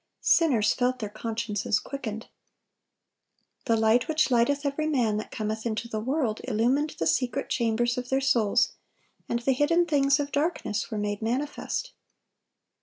Sinners felt their consciences quickened. The "light which lighteth every man that cometh into the world," illumined the secret chambers of their souls, and the hidden things of darkness were made manifest.